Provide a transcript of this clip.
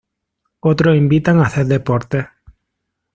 Otros invitan a hacer deportes.